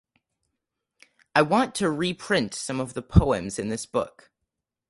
I want to reprint some of the poems in this book